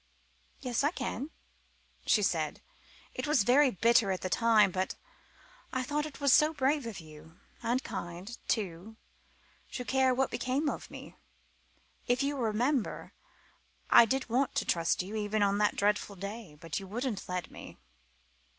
"Yes, I can," she said. "It was very bitter at the time, but I thought it was so brave of you and kind, too to care what became of me. If you remember, I did want to trust you, even on that dreadful day, but you wouldn't let me."